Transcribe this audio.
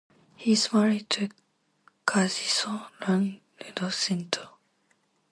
He is married to Kagiso Ruth Ludo Sento.